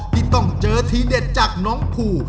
ที่ต้องเจอทีเด็ดจากน้องภู